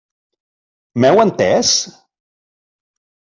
M'heu entès?